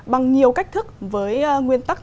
bằng nhiều cách thức với nguyên tắc